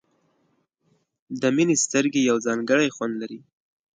د مینې سترګې یو ځانګړی خوند لري.